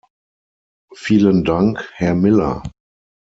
Vielen Dank, Herr Miller.